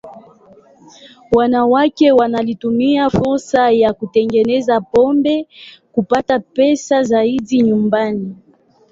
Wanawake walitumia fursa ya kutengeneza pombe kupata pesa zaidi nyumbani.